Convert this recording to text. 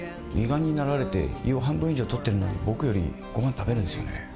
胃がんになられて胃を半分以上取ってるのに僕よりごはん食べるんですよね。